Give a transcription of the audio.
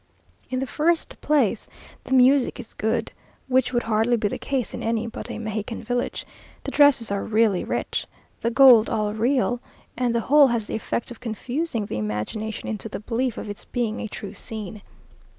In the first place, the music is good, which would hardly be the case in any but a Mexican village; the dresses are really rich, the gold all real, and the whole has the effect of confusing the imagination into the belief of its being a true scene.